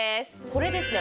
これですね